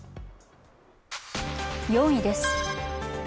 ４位です。